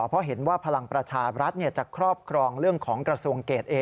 เพราะเห็นว่าพลังประชาบรัฐจะครอบครองเรื่องของกระทรวงเกรดเอ